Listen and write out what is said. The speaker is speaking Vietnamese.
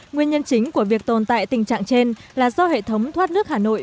nguyên nhân chính của việc tồn tại tình trạng trên là do hệ thống thoát nước hà nội